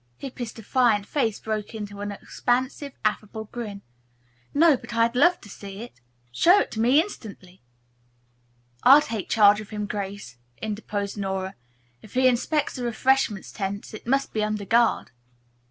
Hippy's defiant face broke into an expansive, affable grin. "No, but I'd love to see it. Show it to me, instantly." "I'll take charge of him, Grace," interposed Nora. "If he inspects the refreshment tent it must be under guard."